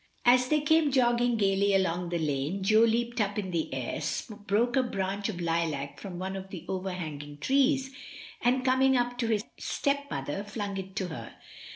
As they came jogging gaily along the lane Jo leaped up in the air, broke a branch of lilac from one of the overhanging trees, and coming up to his stepmother flung it to her.